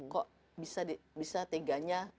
kok bisa teganya